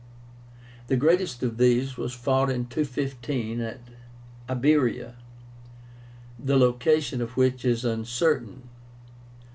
The greatest of these was fought in 215 at Ibera, the location of which is uncertain.